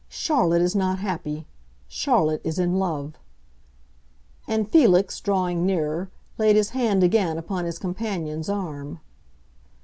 Charlotte is not happy! Charlotte is in love." And Felix, drawing nearer, laid his hand again upon his companion's arm.